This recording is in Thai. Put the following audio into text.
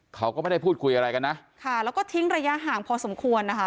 เขาก็ไม่ได้พูดคุยอะไรกันนะค่ะแล้วก็ทิ้งระยะห่างพอสมควรนะคะ